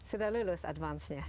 sudah lulus advance nya